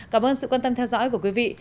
cảm ơn sự quan tâm theo dõi của quý vị